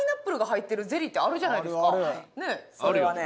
それはね